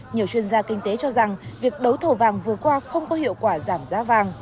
nhiều chuyên gia kinh tế cho rằng việc đấu thầu vàng vừa qua không có hiệu quả giảm giá vàng